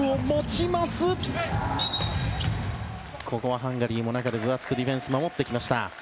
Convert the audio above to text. ハンガリーも中で分厚くディフェンス、守ってきました。